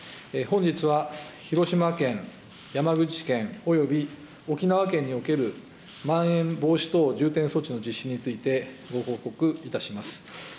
本日は広島県、山口県および沖縄県における、まん延防止等重点措置の実施について、ご報告いたします。